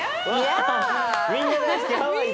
みんな大好きハワイだ。